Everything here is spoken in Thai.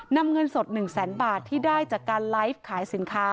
นำเงินสด๑แสนบาทที่ได้จากการไลฟ์ขายสินค้า